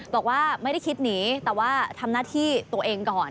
บอกว่าไม่ได้คิดหนีแต่ว่าทำหน้าที่ตัวเองก่อน